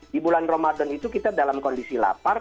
di bulan ramadan itu kita dalam kondisi lapar